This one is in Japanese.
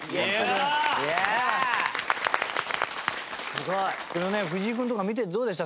すごい！藤井君とか見ててどうでした？